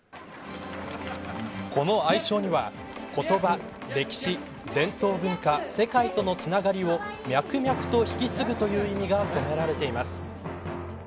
この愛称には言葉、歴史、伝統文化世界とのつながりをミャクミャクと引き継ぐという意味が込められています。